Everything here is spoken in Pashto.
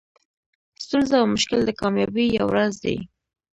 ستونزه او مشکل د کامیابۍ یو راز دئ.